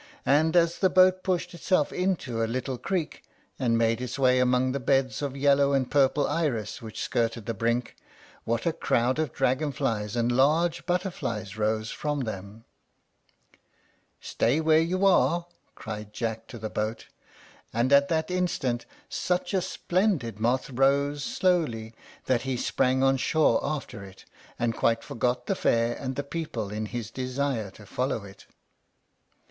and as the boat pushed itself into a little creek, and made its way among the beds of yellow and purple iris which skirted the brink, what a crowd of dragon flies and large butterflies rose from them! "Stay where you are!" cried Jack to the boat; and at that instant such a splendid moth rose slowly, that he sprang on shore after it, and quite forgot the fair and the people in his desire to follow it.